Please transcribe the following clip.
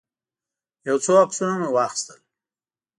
یو څو عکسونه مې واخیستل.